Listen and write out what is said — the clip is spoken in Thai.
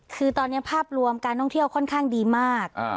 คือตอนนี้ภาพรวมการท่องเที่ยวค่อนข้างดีมาก